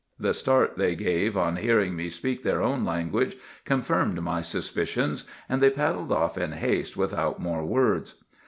The start they gave, on hearing me speak their own language, confirmed my suspicions, and they paddled off in haste without more words.